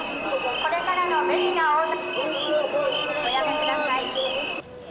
これからの無理な横断はおやめください。